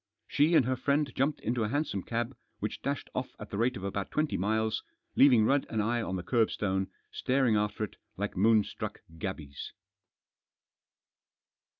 She and her friend jumped into a hansom cab, which dashed off at the rate of about twenty miles, leaving Rudd and I on the kerbstone, staring after it like moonstruck gabies.